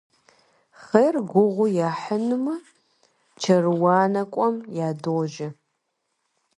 Хьэр гугъу ехьынумэ чэруанакӀуэм ядожьэ.